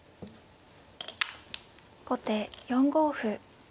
後手４五歩。